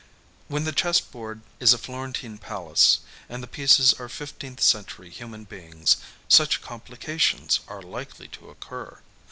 When the chess board is a Florentine palace, and the pieces are fifteenth century human beings, such complications are likely to occur.